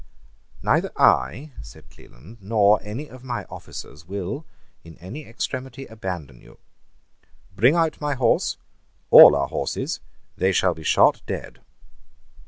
"Neither I," said Cleland, "nor any of my officers will, in any extremity, abandon you. Bring out my horse, all our horses; they shall be shot dead."